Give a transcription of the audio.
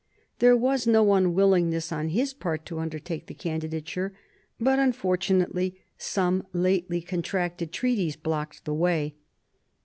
There was no unwillingness on his part to undertake the candidature, but unfortunately some lately contracted treaties blocked the way.